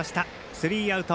スリーアウト。